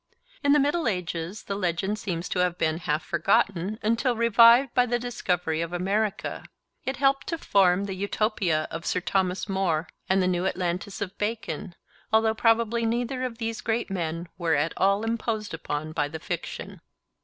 In the Middle Ages the legend seems to have been half forgotten until revived by the discovery of America. It helped to form the Utopia of Sir Thomas More and the New Atlantis of Bacon, although probably neither of those great men were at all imposed upon by the fiction.